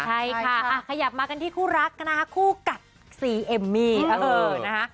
ใช่ค่ะขยับมากันที่คู่รักนะคะคู่กัดซีเอมมี่นะคะ